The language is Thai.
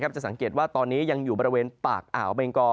จะสังเกตว่าตอนนี้ยังอยู่บริเวณปากอ่าวเบงกอ